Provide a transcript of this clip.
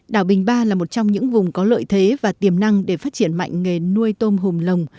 đảo bình ba là một trong những vùng có lợi thế và tiềm năng để phát triển mạnh nghề nuôi tôm hùm lồng